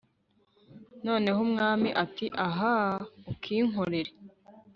noneho umwami ati 'ahaaa! ukinkorera